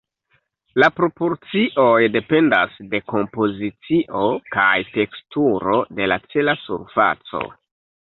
La proporcioj dependas de kompozicio kaj teksturo de la cela surfaco.